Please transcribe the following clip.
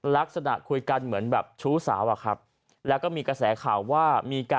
ลักษณะคุยกันเหมือนแบบชู้สาวอะครับแล้วก็มีกระแสข่าวว่ามีการ